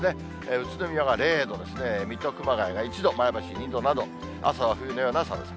宇都宮が０度ですね、水戸、熊谷が１度、前橋２度など、朝は冬のような寒さ。